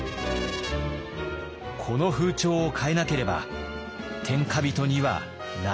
この風潮を変えなければ天下人にはなれない。